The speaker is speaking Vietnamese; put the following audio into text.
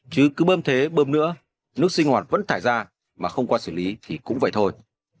chứ cứ bơm thế bơm nữa nước sinh hoạt vẫn thải ra mà không qua xử lý thì cũng vậy thôi